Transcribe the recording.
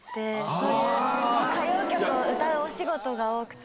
そういう歌謡曲を歌うお仕事が多くて。